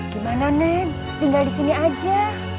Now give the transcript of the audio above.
gimana nih tinggal di sini aja